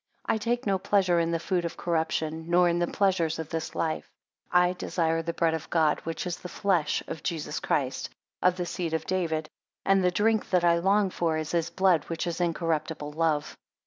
4 I take no pleasure in the food of corruption, nor in the pleasures of this life. 5 I desire the bread of God which is the flesh of Jesus Christ, of the seed of David; and the drink that I long for is his blood, which is incorruptible love.